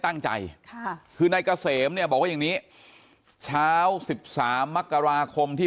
ตั้งใจค่ะคือนายเกษมเนี่ยบอกว่าอย่างนี้เช้า๑๓มกราคมที่